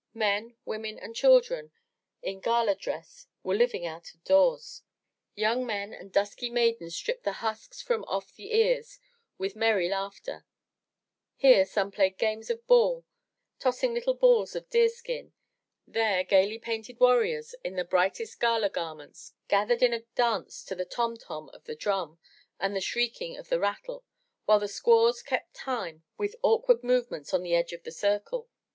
Men, women and children, in gala dress, were living out of doors. Young men and dusky maidens stripped the husks from off the ears with merry laughter; here some played games of ball, tossing little balls of deer skin, there gaily painted warriors in the brightest gala garments, gathered in a dance to the tom! tom! of the drum and the shrieking of the rattle, while the squaws kept time with awkward movements, on the edges of the circle.